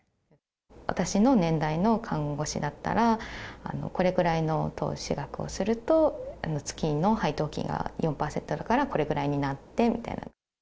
私の年代の看護師だったら、これくらいの投資額をすると、月の配当金が４％だからこれぐらいになってみたいな。